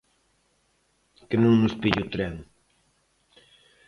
¡Que non nos pille o tren!